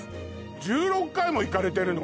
１６回も行かれてるの？